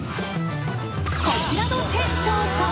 ［こちらの店長さん］